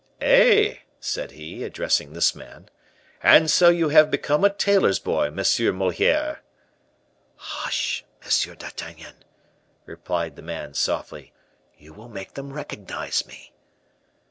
"Eh!" said he, addressing this man, "and so you have become a tailor's boy, Monsieur Moliere!" "Hush, M. d'Artagnan!" replied the man, softly, "you will make them recognize me."